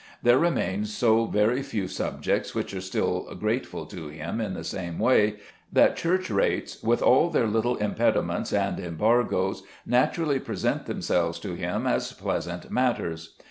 There remain so very few subjects which are still grateful to him in the same way, that church rates, with all their little impediments and embargoes, naturally present themselves to him as pleasant matters.